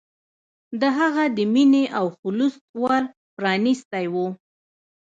د هغه د مینې او خلوص ور پرانستی و.